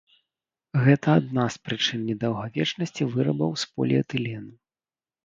Гэта адна з прычын недаўгавечнасці вырабаў з поліэтылену.